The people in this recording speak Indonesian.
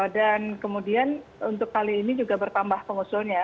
dan kemudian untuk kali ini juga bertambah pengusuhan